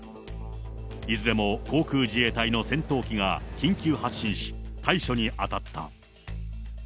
いずれも航空自衛隊の戦闘機が緊急発進し、対処に当たった。